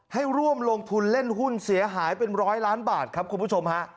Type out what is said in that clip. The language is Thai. ให้ร่วมลงทุนเล่นหุ้นเสียหายเป็นร้อยล้านบาทครับคุณผู้ชมฮะ